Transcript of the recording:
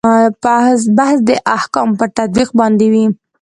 بحث د احکامو پر تطبیق باندې وي.